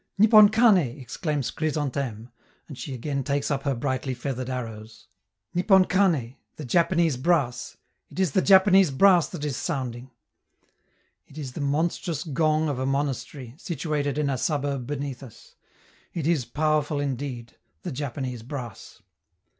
"Nippon Kane!" exclaims Chrysantheme and she again takes up her brightly feathered arrows. "Nippon Kane ['the Japanese brass'); it is the Japanese brass that is sounding!" It is the monstrous gong of a monastery, situated in a suburb beneath us. It is powerful indeed, "the Japanese brass"!